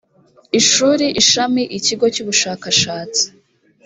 ishuri ishami ikigo cy ubushakashatsi